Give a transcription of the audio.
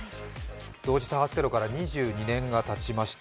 同時多発テロから２２年がたちました。